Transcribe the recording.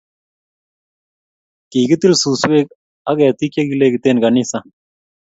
kikitil suswek ak kertii chekilekite kanisa